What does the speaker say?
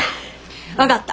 分かった。